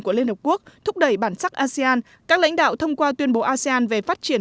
của liên hợp quốc thúc đẩy bản sắc asean các lãnh đạo thông qua tuyên bố asean về phát triển